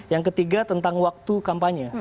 yang ketiga tentang waktu kampanye